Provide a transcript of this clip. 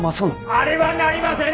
あれはなりませぬ！